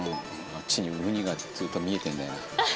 あっちにうにがずっと見えてんだよな